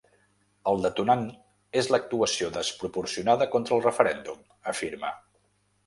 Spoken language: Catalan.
El detonant és l’actuació desproporcionada contra el referèndum, afirma.